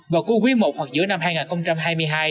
vào cuối quý i hoặc giữa năm hai nghìn hai mươi hai